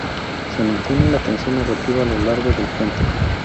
Se mantiene la tensión narrativa a lo largo del cuento.